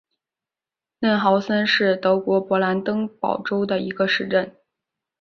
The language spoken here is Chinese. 嫩豪森是德国勃兰登堡州的一个市镇。